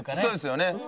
そうですよね。